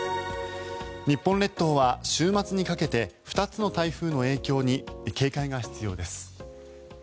日本列島は週末にかけて２つの台風の影響に警戒が必要です。